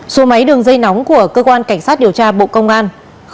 số máy đường dây nóng của cơ quan cảnh sát điều tra bộ công an sáu mươi chín hai trăm ba mươi bốn